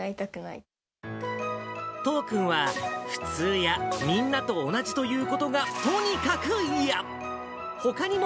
都央君は、普通やみんなと同じということがとにかく嫌。